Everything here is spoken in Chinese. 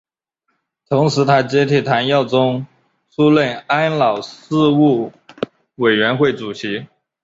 同时他接替谭耀宗出任安老事务委员会主席。